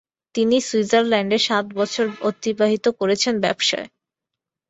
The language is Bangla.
তিনি সুইজারল্যাণ্ডে সাত বছর অতিবাহিত করেছেন ব্যবসায়।